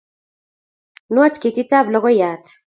Nwach ketitab logoiyat